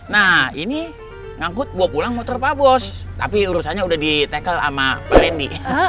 nah ini ngangkut bawa pulang muter pak bos tapi urusannya udah di tackle sama randy